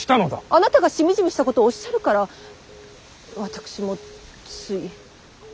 あなたがしみじみしたことおっしゃるから私もつい。